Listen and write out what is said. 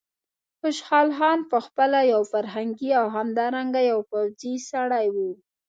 خوشحال خان په خپله یو فرهنګي او همدارنګه یو پوځي سړی و.